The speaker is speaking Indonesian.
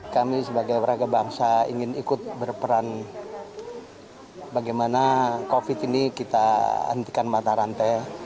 kami sebagai warga bangsa ingin ikut berperan bagaimana covid ini kita hentikan mata rantai